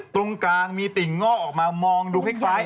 ตรงกลางมีติ่งงอกออกมามองดูคล้าย